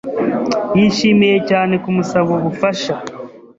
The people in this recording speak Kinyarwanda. Yishimiye cyane kumusaba ubufasha.